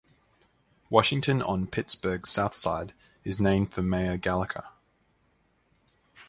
Washington on Pittsburgh's southside is named for Mayor Gallagher.